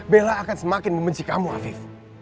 bella akan semakin membenci kamu afif